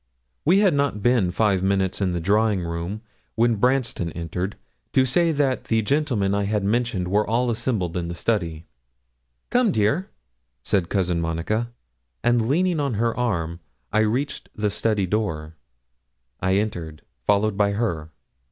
We had not been five minutes in the drawing room when Branston entered, to say that the gentlemen I had mentioned were all assembled in the study. 'Come, dear,' said Cousin Monica; and leaning on her arm I reached the study door. I entered, followed by her.